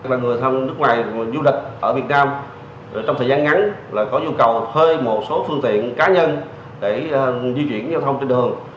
và người thăm nước ngoài du lịch ở việt nam trong thời gian ngắn là có nhu cầu thuê một số phương tiện cá nhân để di chuyển giao thông trên đường